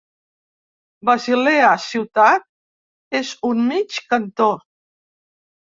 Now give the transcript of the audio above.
Basilea-Ciutat és un mig cantó.